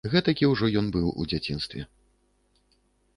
Гэтакі ўжо ён быў у дзяцінстве.